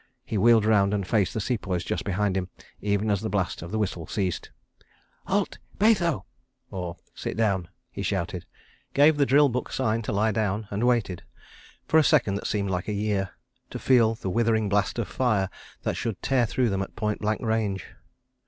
He wheeled round and faced the Sepoys just behind him, even as the blast of the whistle ceased. "Halt! Baitho!" he shouted—gave the drill book sign to lie down—and waited, for a second that seemed like a year, to feel the withering blast of fire that should tear through them at point blank range.